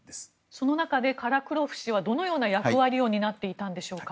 その中でカラクロフ氏はどのような役割を担っていたのでしょうか。